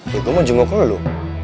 ya gue mau jenguk lo dulu